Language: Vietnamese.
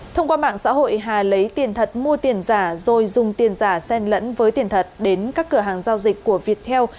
thông qua mạng xã hội hà lấy tiền thật mua tiền giả rồi dùng tiền giả sen lẫn với tiền thật đến các cửa hàng giao dịch của viettel